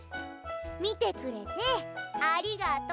見てくれてありがとう。